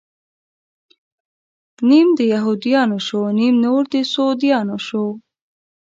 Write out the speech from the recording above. نيم د يهود يانو شو، نيم نور د سعوديانو شو